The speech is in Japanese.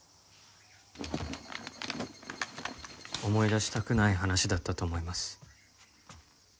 思い出したくない話だったと思います。